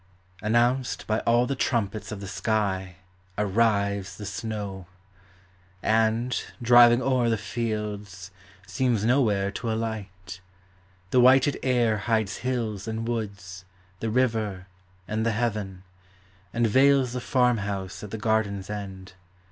Announced by all the trumpets of the sky, Arrives the snow; and, driving o'er the fields, Seems nowhere to alight; the whited air Hides hills and woods, the river, and the heaven f And veils the farmhouse at the garden's end.